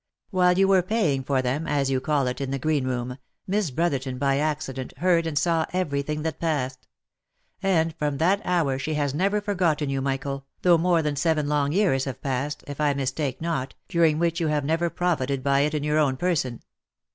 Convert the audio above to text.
" While you were paying for them, as you call it, in the green room, Miss Brotherton by accident heard and saw every thing that passed ; and from that hour she has never for gotten you, Michael, though more than seven long years have passed, if I mistake not, during which you have never profited by it in your own person.